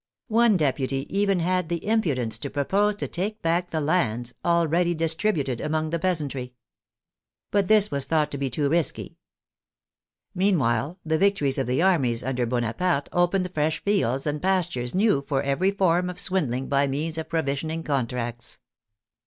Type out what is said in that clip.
One deputy even had the impudence to propose to take back the lands already distributed among the peasantry. But this was thought to be too risky. Meanwhile, the victories of the armies under Bonaparte opened fresh fields and pas tures new for every form of swindling by means of pro visioning "contracts."